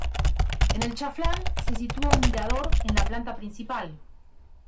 En el chaflán se sitúa un mirador en la planta principal